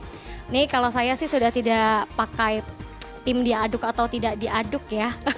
ini kalau saya sih sudah tidak pakai tim diaduk atau tidak diaduk ya